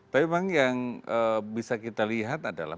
tapi memang yang bisa kita lihat adalah